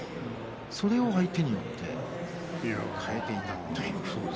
それを相手によって変えていたと。